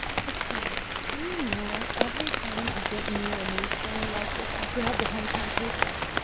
But say, do you know every time I get near a news stand like this I grab the home town paper.